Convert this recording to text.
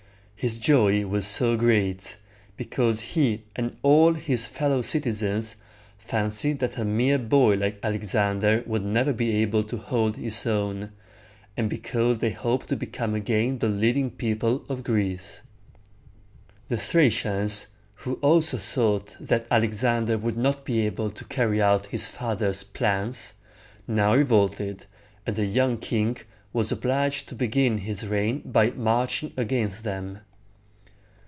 His joy was so great, because he and all his fellow citizens fancied that a mere boy like Alexander would never be able to hold his own, and because they hoped to become again the leading people of Greece. The Thracians, who also thought that Alexander would not be able to carry out his father's plans, now revolted, and the young king was obliged to begin his reign by marching against them.